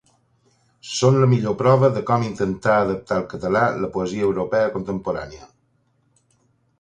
Són la millor prova de com intentà adaptar al català la poesia europea contemporània.